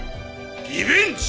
リベンジ！